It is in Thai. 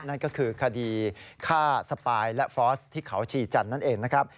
นั่นก็คือคดีฆ่าสปายและฟอสที่เขาชีจันทร์นั่นเองนะครับ